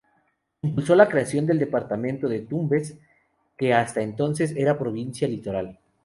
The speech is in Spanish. Impulsó la creación del departamento de Tumbes, que hasta entonces era provincia litoral.